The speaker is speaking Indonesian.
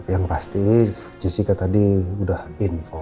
yang pasti jessica tadi sudah info